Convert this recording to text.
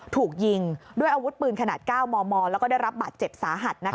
ถูกยิงด้วยอาวุธปืนขนาด๙มมแล้วก็ได้รับบาดเจ็บสาหัส